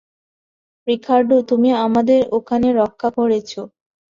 Ricardo, তুমি আমাদের ওখানে রক্ষা করেছো।